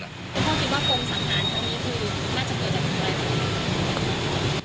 คุณพ่อคิดว่าโครงสังหารตรงนี้คือน่าจะเกิดจากทุกอย่างไหม